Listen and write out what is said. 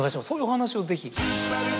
そういうお話をぜひ。